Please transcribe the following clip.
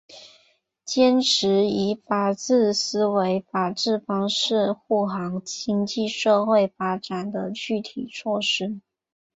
坚持以法治思维法治方式护航经济社会发展的具体措施